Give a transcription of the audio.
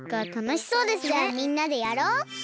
じゃあみんなでやろう！